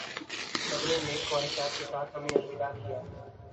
سب نے نیک خواہشات کے ساتھ ہمیں الوداع کیا